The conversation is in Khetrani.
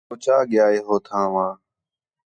کو چا ڳیا ہِے ہو تھاں وا